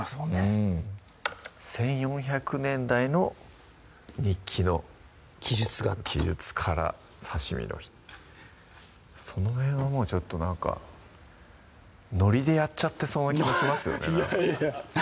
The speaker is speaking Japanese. うん１４００年代の日記の記述があると記述から刺身の日その辺はもうちょっとなんかノリでやっちゃってそうな気もしますよね